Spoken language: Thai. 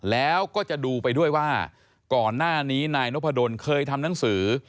แล้วก็จะดูไปด้วยว่าก่อนหน้านี้นายนพดลเคยทำหนังสือ